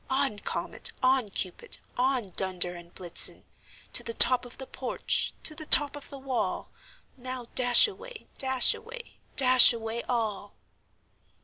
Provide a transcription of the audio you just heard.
On! Comet, on! Cupid, on! Dunder and Blitzen To the top of the porch, to the top of the wall! Now, dash away, dash away, dash away all!"